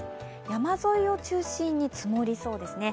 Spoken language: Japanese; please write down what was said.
山沿いを中心に積もりそうですね。